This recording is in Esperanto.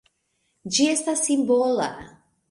Ĝi estas simbola.